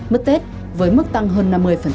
mất tết với mức tăng hơn năm mươi